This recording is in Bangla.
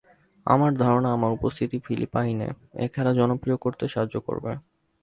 আমার ধারণা, আমার উপস্থিতি ফিলিপাইনে এ খেলা জনপ্রিয় করতে সাহায্য করবে।